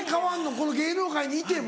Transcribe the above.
この芸能界にいても？